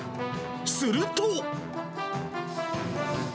すると。